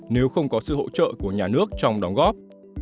nếu không có sự hỗ trợ của nhà nước trong đóng góp